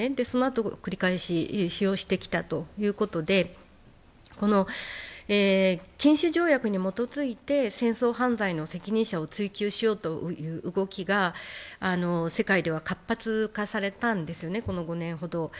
そのあと、繰り返し使用してきたということで禁止条約に基づいて戦争犯罪の責任者を追及しようという動きが世界では活発化されたんですね、この５年ほど。